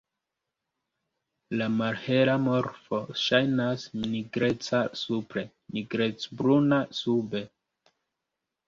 La malhela morfo ŝajnas nigreca supre, nigrecbruna sube.